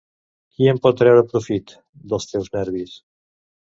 Qui en pot treure profit, dels teus nervis?